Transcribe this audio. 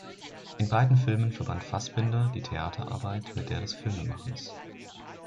In beiden Filmen verband Fassbinder die Theaterarbeit mit der des Filmemachens.